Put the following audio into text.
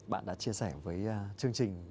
bạn đã chia sẻ với chương trình